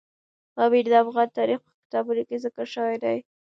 پامیر د افغان تاریخ په کتابونو کې ذکر شوی دی.